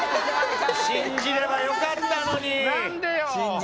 信じればよかったのに。